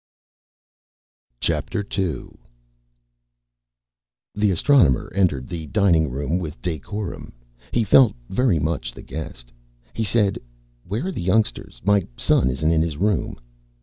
II The Astronomer entered the dining room with decorum. He felt very much the guest. He said, "Where are the youngsters? My son isn't in his room."